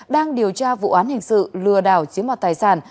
đang điều tra vụ án hình sự lừa đảo chiếm mặt tài sản